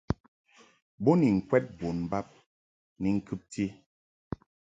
Bo ni ŋkwɛd bon bab ni ŋkɨbti.